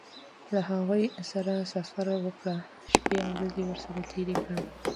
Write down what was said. له هغوی سره سفر وکړه شپې او ورځې ورسره تېرې کړه.